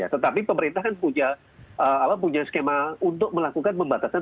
tetapi pemerintah kan punya skema untuk melakukan pembatasan